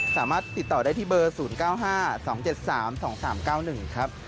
สามารถติดต่อได้ที่เบอร์๐๙๕๒๗๓๒๓๙๑ครับ